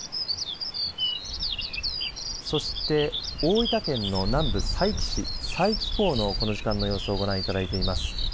そして大分県の南部佐伯市、佐伯港のこの時間の様子をご覧いただいています。